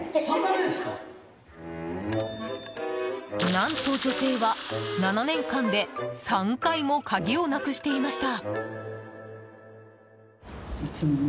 何と女性は７年間で３回も鍵をなくしていました。